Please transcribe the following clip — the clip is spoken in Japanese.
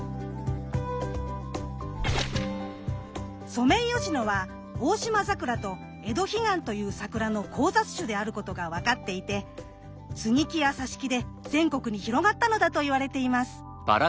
ソメイヨシノはオオシマザクラとエドヒガンというサクラの交雑種であることが分かっていて接木や挿木で全国に広がったのだと言われています。